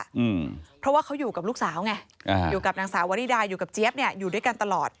อืมเพราะว่าเขาอยู่กับลูกสาวไงอ่าอยู่กับนางสาววริดาอยู่กับเจี๊ยบเนี้ยอยู่ด้วยกันตลอด